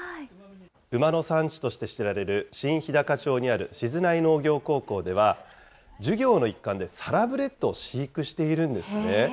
馬の産地として知られる新ひだか町にある静内農業高校では、授業の一環でサラブレッドを飼育しているんですね。